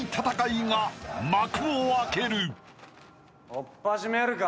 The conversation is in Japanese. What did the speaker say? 「おっぱじめるか？」